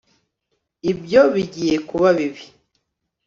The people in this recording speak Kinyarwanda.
ibyo bigiye kuba bibi